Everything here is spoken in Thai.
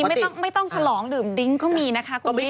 บางทีไม่ต้องฉลองดื่มดิ้งก็มีนะคะคุณพี่